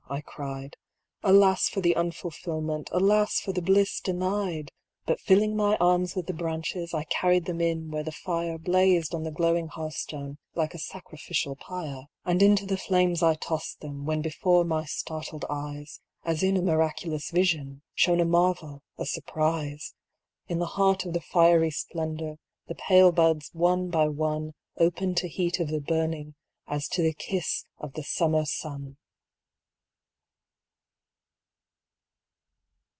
" I cried, Alas for the unfulfilment, alas for the bliss denied !" 428 BAPTISM OF FIRE But filling my arms with the branches, I carried them in, where the fire Blazed on the glowing hearth stone like a sacrificial pyre. And into the flames I tossed them, when before my startled eyes, As in a miraculous vision, shone a marvel, a surprise. In the heart of the fiery splendor the pale buds, one by one, Opened to heat of the burning as to kiss of the summer sun!